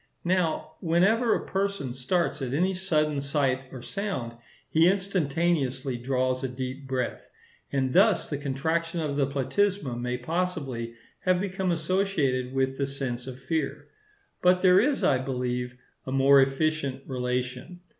Now, whenever a person starts at any sudden sight or sound, he instantaneously draws a deep breath; and thus the contraction of the platysma may possibly have become associated with the sense of fear. But there is, I believe, a more efficient relation.